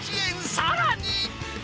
さらに。